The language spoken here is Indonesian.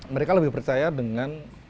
mereka lebih percaya dengan